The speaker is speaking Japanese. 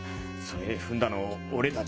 それ踏んだの俺達。